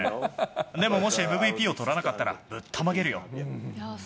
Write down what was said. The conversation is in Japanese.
でももしＭＶＰを取らなかったら、ぶったまげるよ。